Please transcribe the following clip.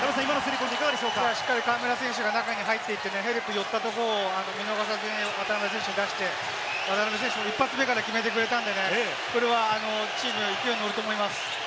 しっかり河村選手が中に入っていてヘルプに寄ったところ、見逃さずに河村選手に出して、渡邊選手、１発目から決めてくれたんで、チーム勢いに乗ると思います。